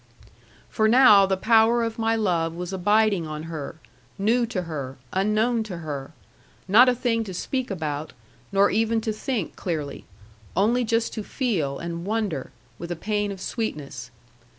For now the power of my love was abiding on her, new to her, unknown to her; not a thing to speak about, nor even to think clearly; only just to feel and wonder, with a pain of sweetness.